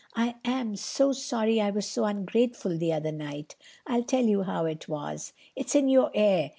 "I am so sorry I was so ungrateful the other night. I'll tell you how it was. It's in your air.